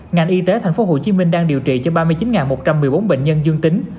ngành y tế tp hcm đang điều trị cho ba mươi chín một trăm một mươi bốn bệnh nhân dương tính